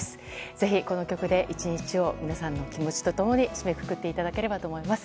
ぜひ、この曲で１日を皆さんの気持ちと共に締めくくっていただきたいと思います。